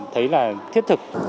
thấy là thiết thực